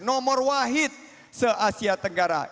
nomor wahid se asia tenggara